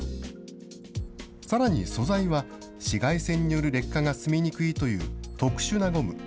さらに素材は紫外線による劣化が進みにくいという特殊なゴム。